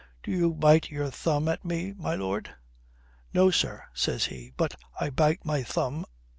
"Do you bite your thumb at me, my lord? No, sir, says he, but I bite my thumb.